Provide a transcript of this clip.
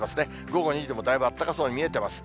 午後２時でもだいぶあったかそうに見えてます。